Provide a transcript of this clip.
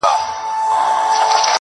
له هوا یوه کومول کښته کتله،